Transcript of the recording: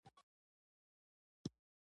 موږ د ماسپښین لمونځ په اقصی جومات کې وکړ.